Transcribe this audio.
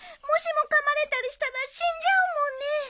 もしもかまれたりしたら死んじゃうもんね。